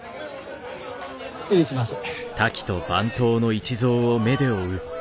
失礼します。